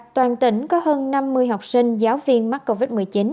toàn tỉnh có hơn năm mươi học sinh giáo viên mắc covid một mươi chín